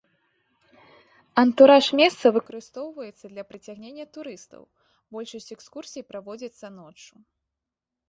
Антураж месца выкарыстоўваецца для прыцягнення турыстаў, большасць экскурсій праводзіцца ноччу.